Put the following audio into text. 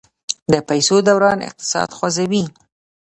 د پیسو دوران اقتصاد خوځوي.